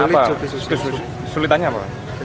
apa sulitannya apa